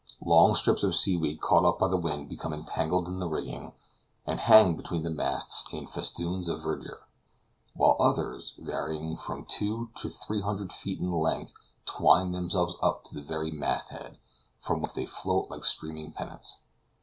Long strips of seaweed caught up by the wind become entangled in the rigging, and hang between the masts in festoons of verdure; while others, varying from two to three hundred feet in length, twine themselves up to the very mast head, from whence they float like streaming pennants.